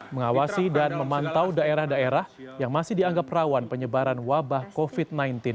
mengawasi dan memantau daerah daerah yang masih dianggap rawan penyebaran wabah covid sembilan belas